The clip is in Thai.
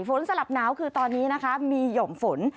สลับหนาวคือตอนนี้นะคะมีห่อมฝน